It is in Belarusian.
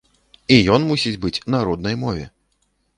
І ён мусіць быць на роднай мове.